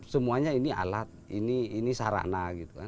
semuanya ini alat ini sarana